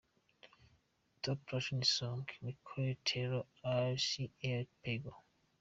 Top Latin Song: Michel Telo "Ai Se Eu Te Pego" .